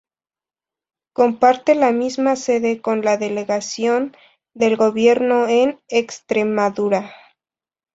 Comparte la misma sede con la Delegación del Gobierno en Extremadura.